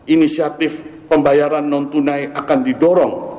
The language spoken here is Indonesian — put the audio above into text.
inisiatif pembayaran non tunai akan didorong